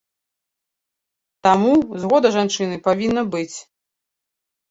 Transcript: Таму, згода жанчыны павінна быць.